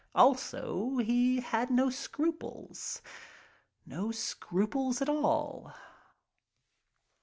Also he had no scruples. No scru ples, a tall.